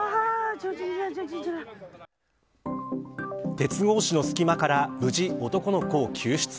鉄格子の隙間から無事、男の子を救出。